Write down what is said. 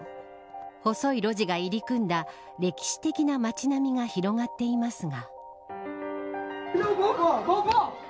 細い路地が入り組んだ歴史的な街並みが広がっていますが。